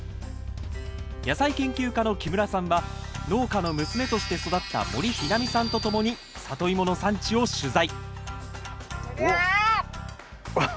野菜研究家の木村さんは農家の娘として育った森日菜美さんとともにサトイモの産地を取材どりゃ！